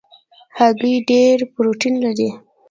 هګۍ ډېره پروټین لري.